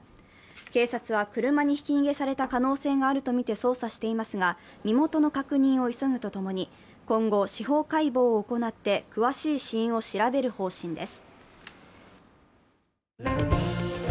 警察は車にひき逃げされた可能性があるとみて捜査していますが、身元の確認を急ぐとともに今後、司法解剖を行って詳しい死因を調べる方針です。